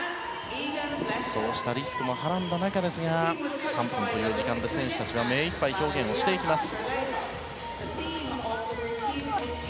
そうしたリスクもはらんだ中ですが３分という時間で選手たちは目いっぱい表現をしていきます。